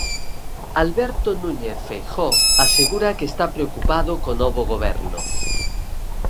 Alberto Núñez Feijóo asegura que está preocupado co novo Goberno.